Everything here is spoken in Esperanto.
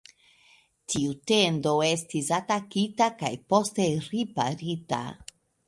Tiu tendo estis atakita kaj poste riparita.